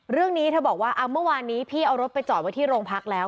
เรื่องนี้เธอบอกว่าเมื่อวานนี้พี่เอารถไปจอดไว้ที่โรงพักแล้ว